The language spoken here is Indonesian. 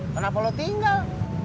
kenapa lu tinggal